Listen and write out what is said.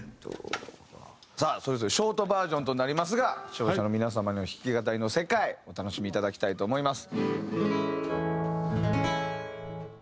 さあそれぞれショートバージョンとなりますが視聴者の皆様にも弾き語りの世界お楽しみいただきたいと思います。